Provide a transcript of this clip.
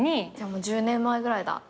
もう１０年前ぐらいだ。